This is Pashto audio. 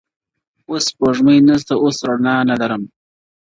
o اوس سپوږمۍ نسته اوس رڼا نلرم.